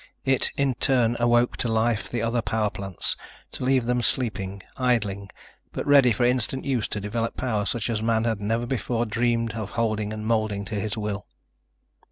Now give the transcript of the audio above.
It in turn awoke to life the other power plants, to leave them sleeping, idling, but ready for instant use to develop power such as man never before had dreamed of holding and molding to his will.